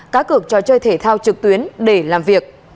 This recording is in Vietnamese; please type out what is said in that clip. cá cược trò chơi thể thao trực tuyến để làm việc